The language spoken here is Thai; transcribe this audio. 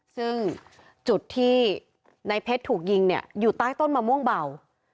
ซึ่งจุดที่ในเพชรถูกยิงเนี่ยอยู่ใต้ต้นมะม่วงเบา